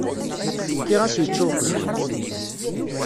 Fkiɣ-as yečča uqjun.